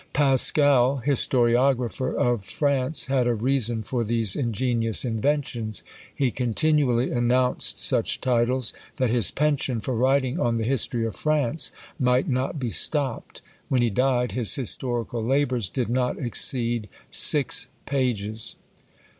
Paschal, historiographer of France, had a reason for these ingenious inventions; he continually announced such titles, that his pension for writing on the history of France might not be stopped. When he died, his historical labours did not exceed six pages!